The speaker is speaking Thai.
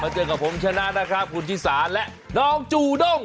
เจอกับผมชนะนะครับคุณชิสาและน้องจูด้ง